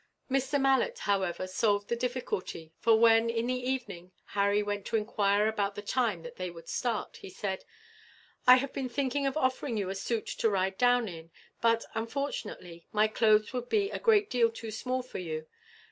Mr. Malet, however, solved the difficulty; for when, in the evening, Harry went to enquire about the time that they would start, he said: "I had been thinking of offering you a suit to ride down in but, unfortunately, my clothes would be a great deal too small for you.